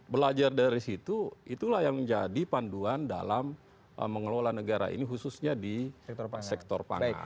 belajar dari situ itulah yang menjadi panduan dalam mengelola negara ini khususnya di sektor pangan